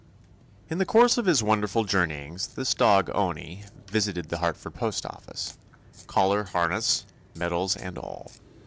In the course of his wonderful jour neyings, this dog Owney, visited the Hartford postoffice, — collar, harness, medals, and all.